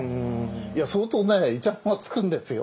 いや相当ねいちゃもんはつくんですよ。